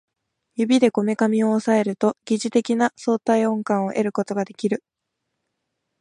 指でこめかみを抑えると疑似的な相対音感を得ることができる